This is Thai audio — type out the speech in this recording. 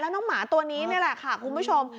น้องหมาตัวนี้นี่แหละค่ะคุณผู้ชม